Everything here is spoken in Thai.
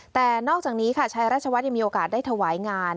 แต่นอกจากนี้ค่ะชายราชวัฒน์ยังมีโอกาสได้ถวายงาน